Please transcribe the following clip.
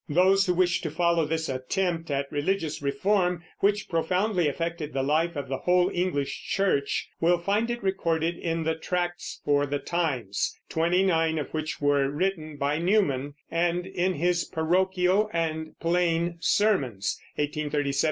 Those who wish to follow this attempt at religious reform, which profoundly affected the life of the whole English church, will find it recorded in the Tracts for the Times, twenty nine of which were written by Newman, and in his Parochial and Plain Sermons (1837 1843).